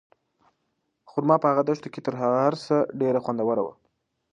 خورما په هغه دښته کې تر هر څه ډېره خوندوره وه.